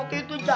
kayak gitu cak